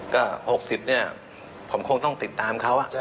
ก็๖๐เนี่ยผมคงต้องติดตามเขา